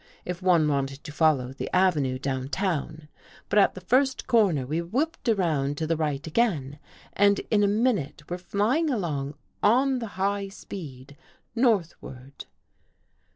If one wanted to follow the Avenue downtown. But at the first corner, we whipped around to the right again and In a minute were flying along, on the high speed, northward.